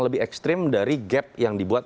lebih ekstrim dari gap yang dibuat